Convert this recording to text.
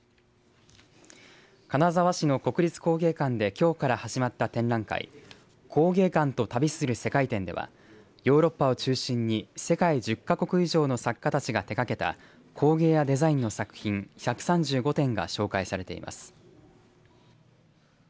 金沢市の国立工芸館できょうから始まった展覧会工芸館と旅する世界展ではヨーロッパを中心に世界１０か国以上の作家たちが手がけた工芸やデザインの作品１３５点が紹介されています。